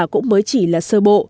cũng mới chỉ là sơ bộ